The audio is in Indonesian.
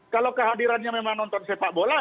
kalau kehadirannya memang nonton sepak bola